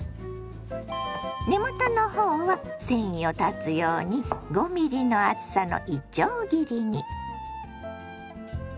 根元の方は繊維を断つように５ｍｍの厚さのいちょう切りに。